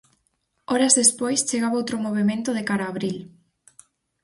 Horas despois chegaba outro movemento de cara a abril.